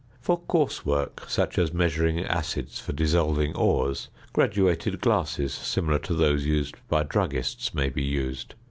~ For coarse work, such as measuring acids for dissolving ores, graduated glasses similar to those used by druggists may be used.